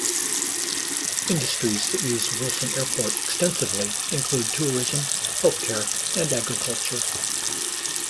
Industries that use Wilson Airport extensively include tourism, health care and agriculture.